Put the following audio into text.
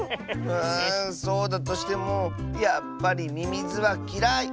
うんそうだとしてもやっぱりミミズはきらい！